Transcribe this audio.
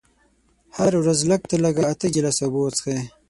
هره ورځ لږ تر لږه اته ګيلاسه اوبه وڅښئ.